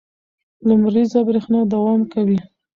لمریزه برېښنا دوام کوي.